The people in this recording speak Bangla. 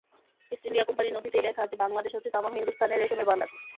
ইস্ট-ইন্ডিয়া কোম্পানির নথিতেই লেখা আছে, বাংলাদেশ হচ্ছে তামাম হিন্দুস্তানের রেশমের ভান্ডার।